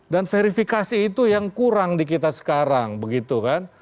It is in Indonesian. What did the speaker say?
dan verifikasi itu yang kurang di kita sekarang begitu kan